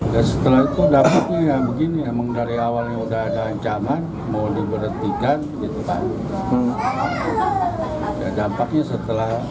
kepala desa wanakerta menerima pembelaan dari kepala desa wanakerta